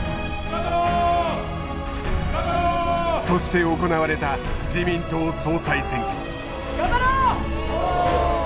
そして行われた自民党総裁選挙。